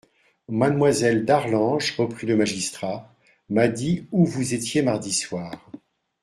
Mademoiselle d'Arlange, reprit le magistrat, m'a dit où vous étiez mardi soir.